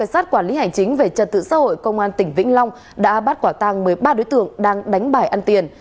sát quản lý hành chính về trật tự xã hội công an tỉnh vĩnh long đã bắt quả tăng một mươi ba đối tượng đang đánh bài ăn tiền